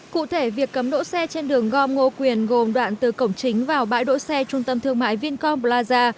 cụ thể việc cấm đỗ xe trên đường gom ngô quyền gồm đoạn từ cổng chính vào bãi đỗ xe trung tâm thương mại vincom plaza